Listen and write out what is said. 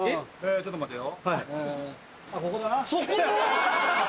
ちょっと待てよ。